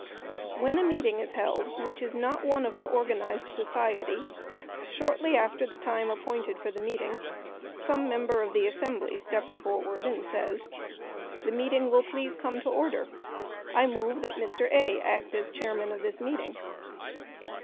When a meeting is held which is not one of an organized society, shortly after the time appointed for the meeting, some member of the assembly steps forward and says: "The meeting will please come to order; I move that Mr. A. act as chairman of this meeting."